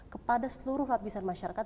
kepada seluruh lapisan masyarakat